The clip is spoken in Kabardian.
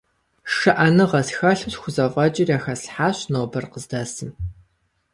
ШыӀэныгъэ схэлъу схузэфӀэкӀыр яхэслъхьащ нобэр къыздэсым.